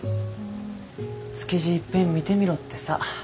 築地いっぺん見てみろってさ。